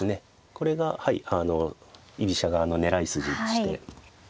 これが居飛車側の狙い筋でして。